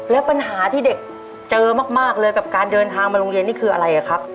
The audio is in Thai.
แล้วปัญหาที่เด็กเจอมากเลยกับการเดินทางมาโรงเรียนนี่คืออะไรครับ